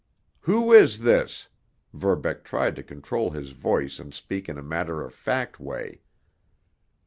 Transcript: "Who is this?" Verbeck tried to control his voice and speak in a matter of fact way.